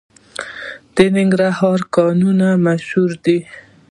د ننګرهار کانالونه مشهور دي.